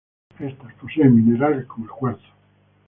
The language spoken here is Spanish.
Estas poseen minerales como el cuarzo.